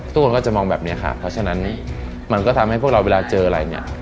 ทุกคนก็จะมองแบบนี้ค่ะเพราะฉะนั้นมันก็ทำให้พวกเราเวลาเจออะไรเนี่ย